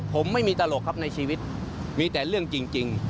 ผมไม่มีตลกครับในชีวิตมีแต่เรื่องจริง